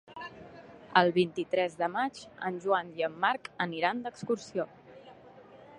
El vint-i-tres de maig en Joan i en Marc aniran d'excursió.